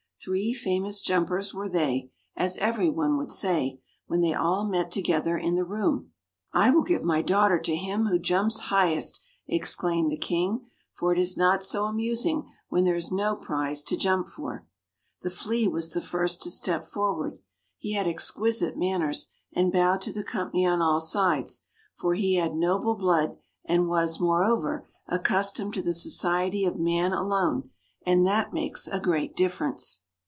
Three famous jumpers were they, as everyone would say, when they all met together in the room. "I will give my daughter to him who jumps highest," exclaimed the King; "for it is not so amusing where there is no prize to jump for." The Flea was the first to step forward. He had exquisite manners, and bowed to the company on all sides; for he had noble blood, and was, moreover, accustomed to the society of man alone; and that makes a great difference.